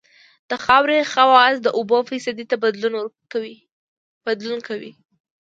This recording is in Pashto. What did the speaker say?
د خاورې خواص د اوبو فیصدي ته بدلون کوي